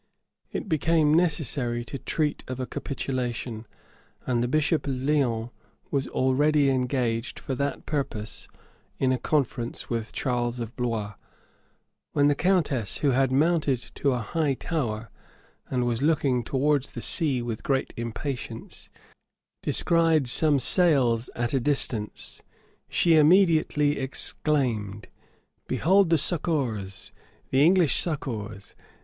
It became necessary to treat of a capitulation; and the bishop of Leon was already engaged, for that purpose, in a conference with Charles of Blois, when the countess, who had mounted to a high tower, and was looking towards the sea with great impatience, descried some sails at a distance. She immediately exclaimed, "Behold the succors! the English succors!